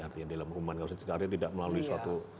artinya dalam umum kawasan kita tidak melalui suatu